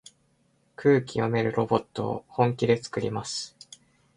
空気読めるロボットを本気でつくります。